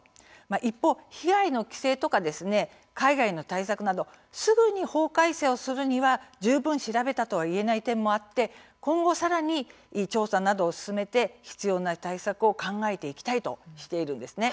一方、被害の規制や海外の対策などすぐに法改正をするには十分調べたと言えない点もあって今後さらに調査などを進めて必要な対策を考えていきたいとしているんです。